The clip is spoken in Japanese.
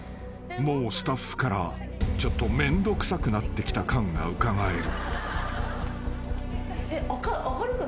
［もうスタッフからちょっとめんどくさくなってきた感がうかがえる］